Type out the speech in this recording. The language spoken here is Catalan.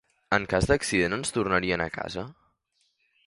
En cas d'accident ens tornarien a casa?